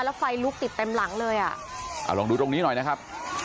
แล้วไฟลุกติดเต็มหลังเลยอ่ะเอาลองดูตรงนี้หน่อยนะครับ